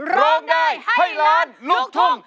ร้องได้ให้ล้านลูกทุ่ง